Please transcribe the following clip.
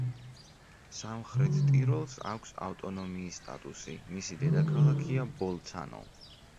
სამხრეთ ტიროლს აქვს ავტონომიის სტატუსი, მისი დედაქალაქია ბოლცანო.